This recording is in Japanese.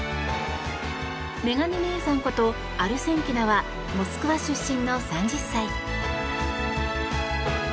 メガネ姉さんことアルセンキナはモスクワ出身の３０歳。